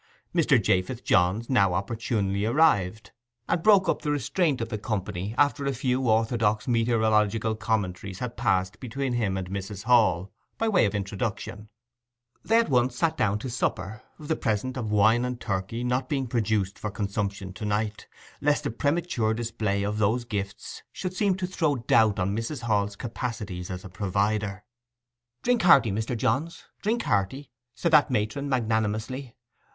Mr. Japheth Johns now opportunely arrived, and broke up the restraint of the company, after a few orthodox meteorological commentaries had passed between him and Mrs. Hall by way of introduction. They at once sat down to supper, the present of wine and turkey not being produced for consumption to night, lest the premature display of those gifts should seem to throw doubt on Mrs. Hall's capacities as a provider. 'Drink hearty, Mr. Johns—drink hearty,' said that matron magnanimously.